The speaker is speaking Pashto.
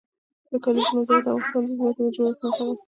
د کلیزو منظره د افغانستان د ځمکې د جوړښت نښه ده.